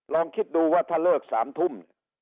ลองคิดดูว่าถ้าเลิก๓ทุ่ม